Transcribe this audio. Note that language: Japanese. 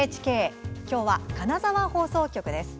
きょうは金沢放送局です。